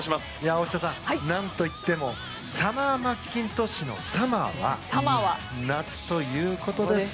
大下さん、何といってもサマー・マッキントッシュのサマーは夏ということです。